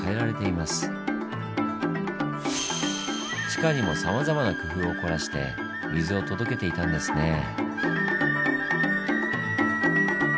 地下にもさまざまな工夫を凝らして水を届けていたんですねぇ。